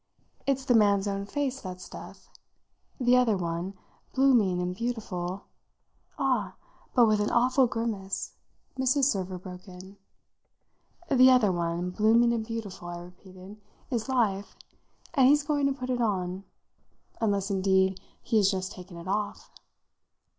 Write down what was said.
It's the man's own face that's Death. The other one, blooming and beautiful " "Ah, but with an awful grimace!" Mrs. Server broke in. "The other one, blooming and beautiful," I repeated, "is Life, and he's going to put it on; unless indeed he has just taken it off."